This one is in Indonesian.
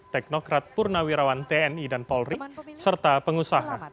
teknokrat purnawirawan tni dan polri serta pengusaha